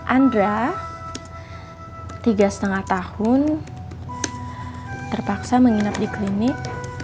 andra tiga lima tahun terpaksa menginap di klinik